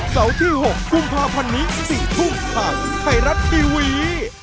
เสาร์ที่๖กุมภาพันธ์นี้๔ทุ่มทางไทยรัฐทีวี